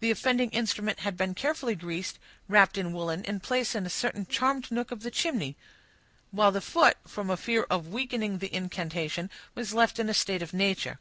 The offending instrument had been carefully greased, wrapped in woolen, and placed in a certain charmed nook of the chimney; while the foot, from a fear of weakening the incantation, was left in a state of nature.